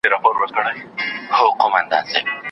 ولي د کليوالو او ښاري خلګو چلند توپير لري؟